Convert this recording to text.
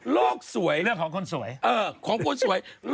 โลกสวยเรื่องของคนสวยเอิ่มของคนสวย